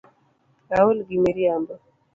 Aol gi miriambo .